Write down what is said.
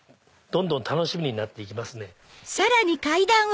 どんどん楽しみになって行きますね。